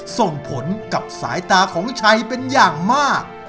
ส่งผลกับสายตาของชัยเป็นอย่างมาก